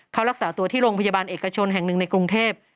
เขารักษาตัวที่โรงพยาบาลเอกชนแห่งหนึ่งในกรุงเทพ